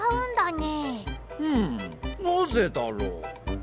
ふむなぜだろう？